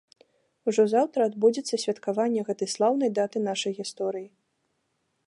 Ужо заўтра адбудзецца святкаванне гэтай слаўнай даты нашай гісторыі.